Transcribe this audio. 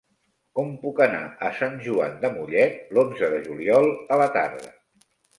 Com puc anar a Sant Joan de Mollet l'onze de juliol a la tarda?